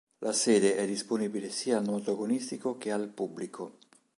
La sede è disponibile sia al nuoto agonistico che al pubblico.